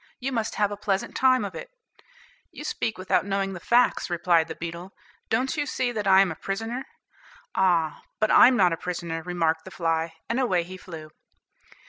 You must have a pleasant time of it." "You speak without knowing the facts," replied the beetle; "don't you see that I am a prisoner?" "Ah, but I'm not a prisoner," remarked the fly, and away he flew.